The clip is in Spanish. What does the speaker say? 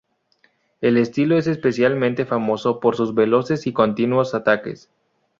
El estilo es especialmente famoso por sus veloces y continuos ataques.